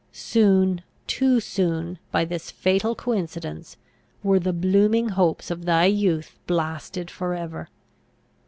Soon, too soon, by this fatal coincidence, were the blooming hopes of thy youth blasted for ever.